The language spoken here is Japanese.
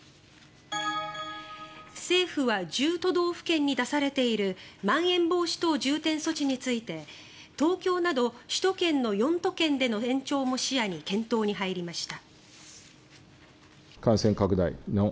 政府は１０都道府県に出されているまん延防止等重点措置について東京など首都圏の４都県での延長も視野に検討に入りました。